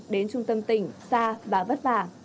đến trung tâm tỉnh xa và vất vả